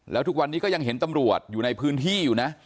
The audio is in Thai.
แล้วทุกวันนี้ก็ยังเห็นตำรวจอยู่ในพื้นที่อยู่นะ